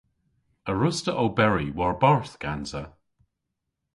A wruss'ta oberi war-barth gansa?